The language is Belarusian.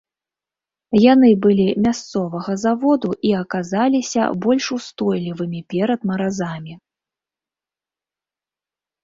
Яны былі мясцовага заводу і аказаліся больш устойлівымі перад маразамі.